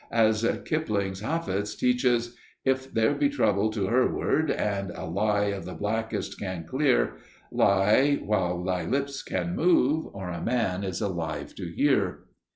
As Kipling's Hafiz teaches: "If there be trouble to Herward, and a lie of the blackest can clear, Lie, while thy lips can move, or a man is alive to hear!"